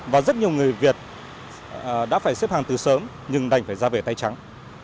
và rất nhiều người việt đã phải xếp hàng từ sớm nhưng đành phải ra về tay trắng